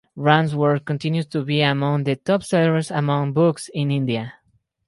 Rand's work continues to be among the top sellers among books in India.